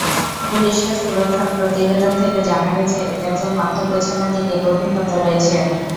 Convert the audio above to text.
পুলিশের সুরতহাল প্রতিবেদন থেকে জানা গেছে, এজাজের মাথার পেছনের দিকে গভীর ক্ষত রয়েছে।